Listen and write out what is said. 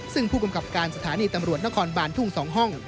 ซึ่งผู้กำกับการสถานีตำรวจนครบานทุ่ง๒ห้อง